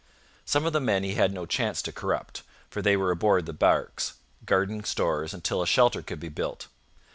Some of the men he had no chance to corrupt, for they were aboard the barques, guarding stores till a shelter could be built.